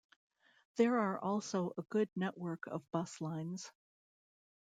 There are also a good network of bus lines.